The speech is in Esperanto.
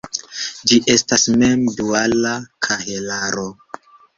Ĝi estas mem-duala kahelaro.